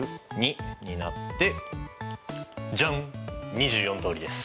２４通りです。